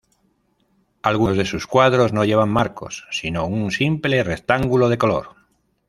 Algunos de sus cuadros no llevan marcos, sino un simple rectángulo de color.